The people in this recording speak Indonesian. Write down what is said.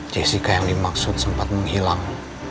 jessica yang dimaksud sempat menghilang